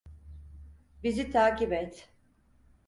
Bizi takip et.